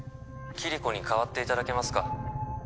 キリコに代わっていただけますか？